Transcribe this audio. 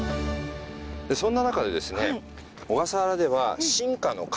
そんな中でですね